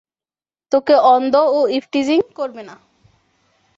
তোকে অন্ধ ও ইভটিজিং করবে না!